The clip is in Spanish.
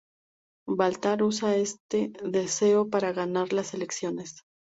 Baltar usa este deseo para ganar las elecciones.